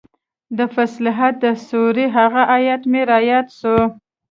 د فصلت د سورې هغه ايت مې راياد سو.